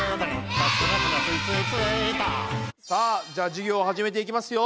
さあじゃあ授業を始めていきますよ。